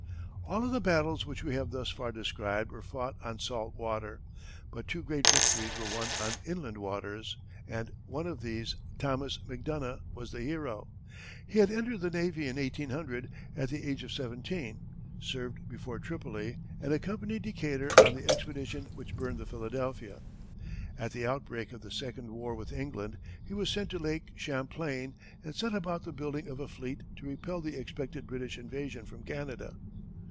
All of the battles which we have thus far described were fought on salt water, but two great victories were won on inland waters, and of one of these Thomas Macdonough was the hero. He had entered the navy in 1800, at the age of seventeen, served before Tripoli, and accompanied Decatur on the expedition which burned the Philadelphia. At the outbreak of the second war with England, he was sent to Lake Champlain, and set about the building of a fleet to repel the expected British invasion from Canada.